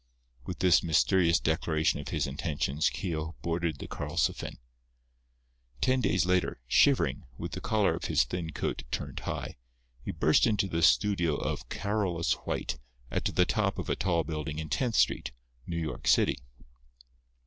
With this mysterious declaration of his intentions Keogh boarded the Karlsefin. Ten days later, shivering, with the collar of his thin coat turned high, he burst into the studio of Carolus White at the top of a tall building in Tenth Street, New York City.